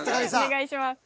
お願いします。